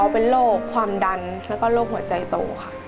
เป็นโรคความดันแล้วก็โรคหัวใจโตค่ะ